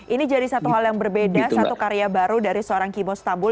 ini jadi satu hal yang berbeda satu karya baru dari seorang keybo stabul